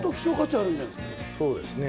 相当、そうですね。